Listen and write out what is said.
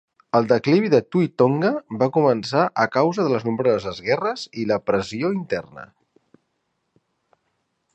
El declivi de Tui Tonga va començar a causa de nombroses guerres i la pressió interna.